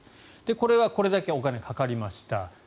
これはこれだけお金がかかりました。